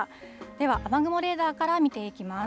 では、雨雲レーダーから見ていきます。